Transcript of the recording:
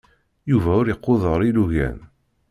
Yuba ur iquder ilugan.